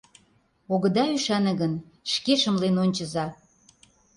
— Огыда ӱшане гын, шке шымлен ончыза.